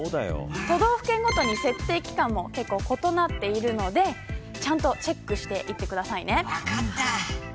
都道府県ごとに設定期間が異なっているのでちゃんとチェックして分かった。